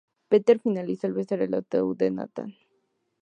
Peter finaliza al besar el ataúd de Nathan.